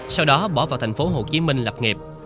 sau đó bỏ vào thành phố hồ chí minh lập nghiệp